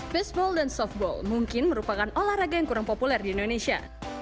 baseball dan softball mungkin merupakan olahraga yang kurang populer di indonesia